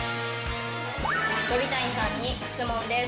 鳥谷さんに質問です。